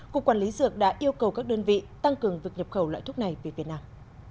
cục quản lý dược đã yêu cầu các đơn vị tăng cường việc nhập khẩu loại thuốc này về việt nam